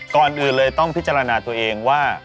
ก่อนอื่นเลยต้องพิจารณาตัวเองว่า